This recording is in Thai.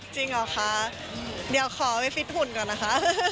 เหรอคะเดี๋ยวขอไปฟิตหุ่นก่อนนะคะ